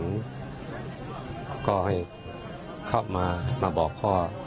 ก็ให้เข้ามาบอกข้อ